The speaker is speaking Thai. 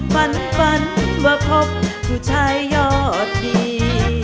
ฝันฝันว่าพบผู้ชายยอดดี